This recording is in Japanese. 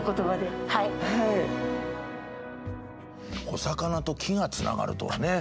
お魚と木がつながるとはね。